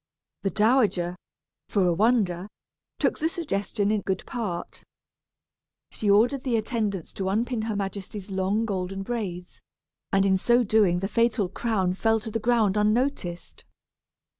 The dowager, for a wonder, took the suggestion in good part. She ordered the attendants to unpin her majesty's long golden braids, and in so doing the fatal crown fell to the ground unnoticed.